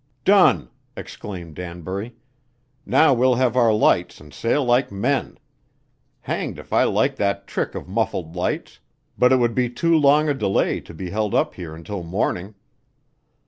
"Done!" exclaimed Danbury. "Now we'll have our lights and sail like men. Hanged if I like that trick of muffled lights; but it would be too long a delay to be held up here until morning."